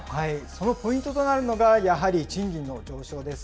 そのポイントとなるのが、やはり賃金の上昇です。